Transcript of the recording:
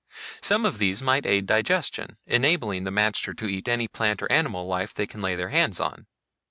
Some of these might aid digestion, enabling the magter to eat any plant or animal life they can lay their hands on.